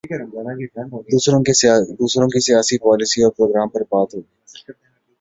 دوسروں کی سیاسی پالیسی اور پروگرام پر بات ہو گی۔